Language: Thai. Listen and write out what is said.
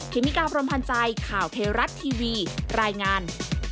เมกาพรมพันธ์ใจข่าวเทวรัฐทีวีรายงาน